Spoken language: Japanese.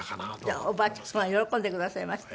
じゃあおばあちゃんは喜んでくださいました？